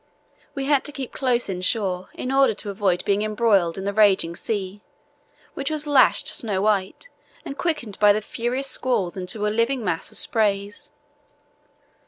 We had to keep close inshore in order to avoid being embroiled in the raging sea, which was lashed snow white and quickened by the furious squalls into a living mass of sprays.